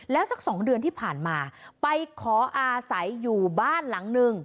แล้วสักสองเดือนที่ผ่านมาไปขออาศัยอยู่บ้านหลังหนึ่ง